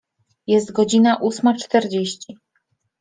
Jest godzina ósma czterdzieści.